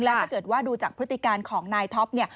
แล้วถ้าเกิดว่าดูจากพฤติการของนายท็อปเนี่ย